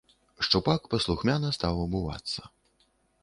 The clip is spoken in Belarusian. Шчупак паслухмяна стаў абувацца.